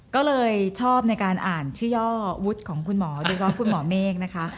ก็เลยชอบในการอ่านชื่อย่อวุฒิของคุณหมอโดยเฉพาะคุณหมอเมฆนะคะ